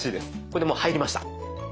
これでもう入りました。